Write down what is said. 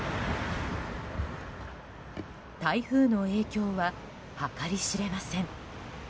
台風の影響は計り知れません。